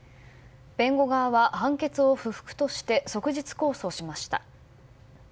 弁護側は判決を不服として即日控訴しました。